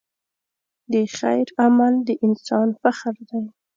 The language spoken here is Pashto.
د خیر عمل د انسان فخر دی.